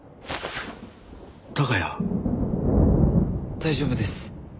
大丈夫です。